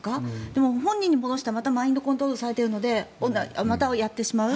でも、本人に戻したらまたマインドコントロールされているのでまたやってしまう。